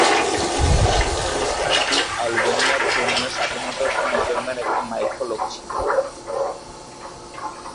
অনুষ্ঠানটি আলবেনিয়ার ধর্মীয় স্বাধীনতার পুনর্জন্মের একটি মাইলফলক ছিল।